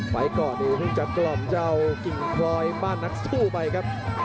ไปก่อนอีกถึงจะกล่อมเจ้ากิ่งคลอยมานักสู้ไปครับ